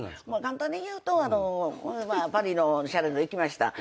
簡単に言うとパリのシャネルに行きました。